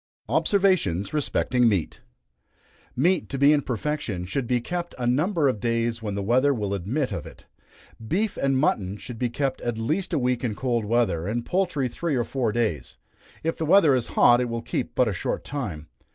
Observations respecting Meat. Meat to be in perfection should be kept a number of days when the weather will admit of it. Beef and mutton should be kept at least a week in cold weather, and poultry three or four days. If the weather is hot, it will keep but a short time.